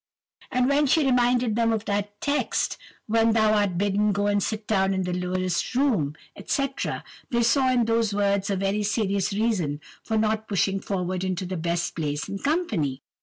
But when she reminded them of that text, "When thou art bidden, go and sit down in the lowest room," &c. they saw in those words a very serious reason for not pushing forward into the best place in company.